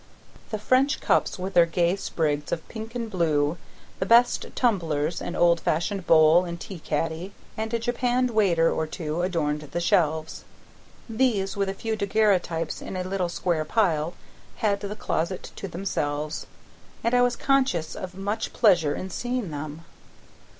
The French cups with their gay sprigs of pink and blue, the best tumblers, an old flowered bowl and tea caddy, and a japanned waiter or two adorned the shelves. These, with a few daguerreotypes in a little square pile, had the closet to themselves, and I was conscious of much pleasure in seeing them.